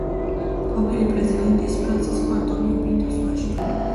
ყოფილი პრეზიდენტის ფრანსისკო ანტონიო პინტოს ვაჟი.